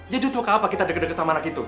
jadi utuh ke apa kita deg deg sama anak itu